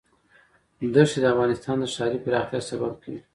دښتې د افغانستان د ښاري پراختیا سبب کېږي.